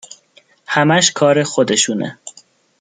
همش کار خودشونه